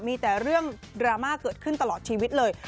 มีแต่เรื่องดราม่าเกิดขึ้นตลอดชีวิตเลย